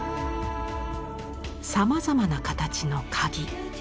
さまざまな形のカギ。